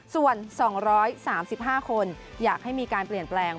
ส่วน๒๓๕คนอยากให้มีการเปลี่ยนแปลง